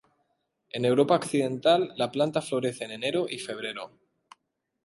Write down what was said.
En Europa occidental, la planta florece en enero y febrero.